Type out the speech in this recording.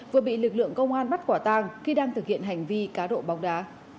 vừa bị lực lượng công an bắt quả tang khi đang thực hiện hành vi cá độ bóng đá